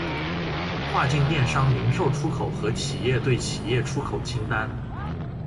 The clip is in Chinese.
跨境电商零售出口和企业对企业出口清单